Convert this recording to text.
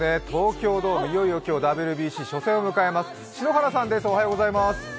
東京ドーム、いよいよ今日ＷＢＣ初戦を迎えます。